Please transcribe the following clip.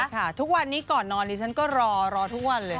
ทุกวันนี้ก่อนนอนดิฉันก็รอรอทุกวันเลย